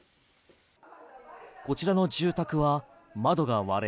こちらの住宅は窓が割れ